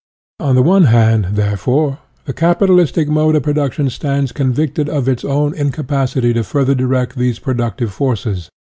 On the one hand, therefore, the capitalistic mode of production stands convicted of its own incapacity to further direct these pro ductive forces.